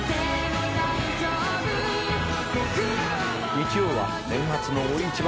日曜は年末の大一番。